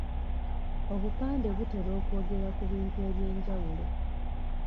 Obupande butera okwogera ku bintu eby’enjawulo.